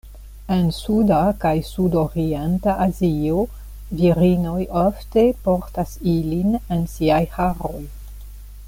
En suda kaj sudorienta Azio, virinoj ofte portas ilin en siaj haroj.